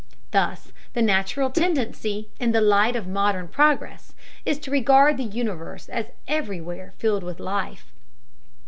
Thus the natural tendency, in the light of modern progress, is to regard the universe as everywhere filled with life.